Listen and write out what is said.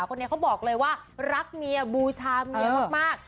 คนนี้เขาบอกเลยว่ารักเมียบูชาเมียมาก